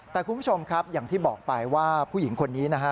แต่คุณผู้ชมครับอย่างที่บอกไปว่าผู้หญิงคนนี้นะฮะ